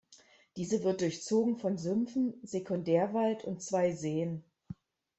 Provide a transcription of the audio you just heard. Diese wird durchzogen von Sümpfen, Sekundärwald und zwei Seen.